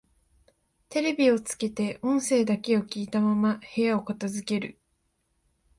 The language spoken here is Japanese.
テレビをつけて音声だけを聞いたまま部屋を片づける